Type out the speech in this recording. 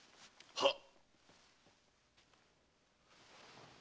はっ。